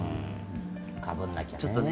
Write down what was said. かぶらなきゃね。